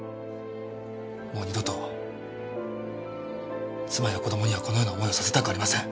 もう二度と妻や子供にはこのような思いをさせたくありません。